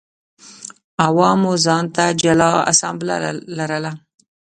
عوامو ځان ته جلا اسامبله لرله